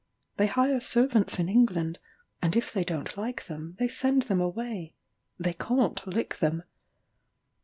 They hire servants in England; and if they don't like them, they send them away: they can't lick them.